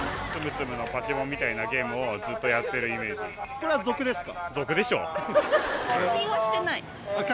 これ俗ですか？